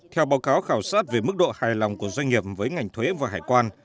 theo báo cáo khảo sát về mức độ hài lòng của doanh nghiệp với ngành thuế và hải quan